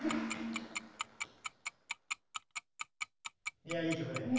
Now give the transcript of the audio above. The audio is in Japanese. いやいい曲だよね。